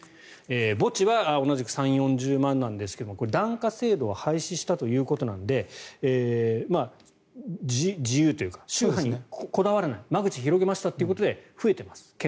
墓地は同じく３０４０万なんですがこれ、檀家制度を廃止したということなので自由というか宗派にこだわらない間口を広げましたということで件数が増えてます。